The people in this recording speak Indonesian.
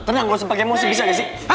tenang gue sepak emosi bisa gak sih